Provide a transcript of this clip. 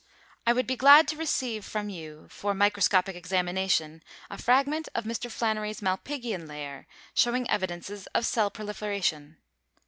I would be glad to receive from you for microscopic examination a fragment of Mr. Flannery's malpighian layer, showing evidences of cell proliferation.